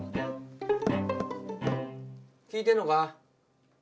聞いてんのか？